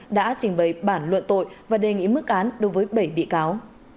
đã trình bày bản luận tội và đề nghị mức án đối với bảy bị cáo